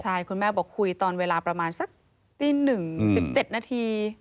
ใช่คุณแม่บอกคุยตอนเวลาประมาณสักตีหนึ่งสิบเจ็ดนาที